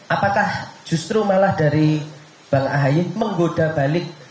apakah justru malah dari bang ahaye menggoda balik